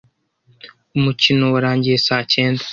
Umukino warangiye saa cyenda.